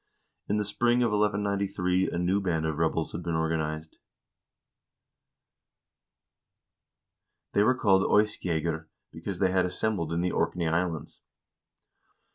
In the spring of 1193 a new band of rebels had been organized. They were called "Eyskjegger," because they had assembled in the Orkney Islands.